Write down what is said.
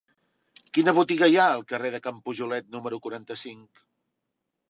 Quina botiga hi ha al carrer de Can Pujolet número quaranta-cinc?